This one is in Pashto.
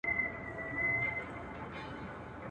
شرمنده سو ته وا ټول عالم پر خاندي.